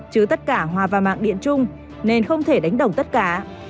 chứ tất cả hòa vào mạng điện chung nên không thể đánh đồng tất cả